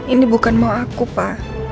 ini bukan mau aku pak